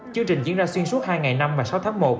chương trình diễn ra xuyên suốt hai ngày năm và sáu tháng một